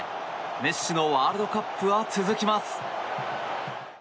メッシのワールドカップは続きます。